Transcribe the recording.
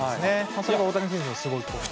それが大谷選手のすごいところです。